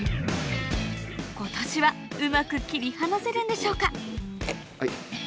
今年はうまく切り離せるんでしょうか？